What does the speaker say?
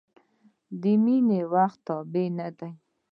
• مینه د وخت تابع نه ده.